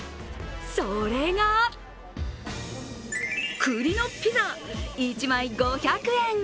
それが、栗のピザ１枚５００円。